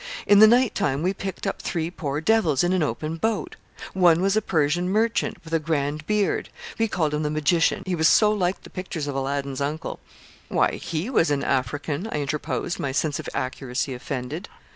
In the night time we picked up three poor devils in an open boat . One was a Persian merchant, with a grand beard. We called him the magician, he was so like the pictures of Aladdin's uncle.' 'Why he was an African,' I interposed, my sense of accuracy offended.